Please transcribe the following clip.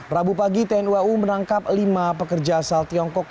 rabu pagi tni au menangkap lima pekerja asal tiongkok